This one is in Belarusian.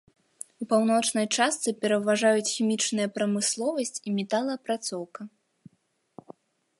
У паўночнай частцы пераважаюць хімічная прамысловасць і металаапрацоўка.